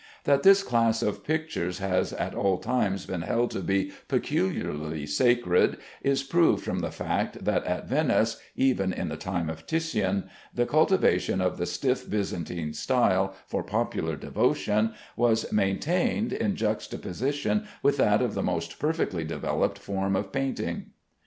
That this class of pictures has at all times been held to be peculiarly sacred, is proved from the fact that at Venice (even in the time of Titian) the cultivation of the stiff Byzantine style, for popular devotion, was maintained in juxtaposition with that of the most perfectly developed form of painting.